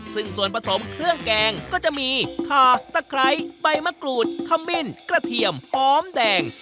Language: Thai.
ซึ่งส่วนผสมเครื่องแกงก็จะมีขาตะไคร้ใบมะกรูดขมิ้นกระเทียมหอมแดง